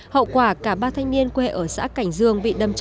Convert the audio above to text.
hậu quả cả ba thanh niên quê ở xã cảnh dương bị đâm chết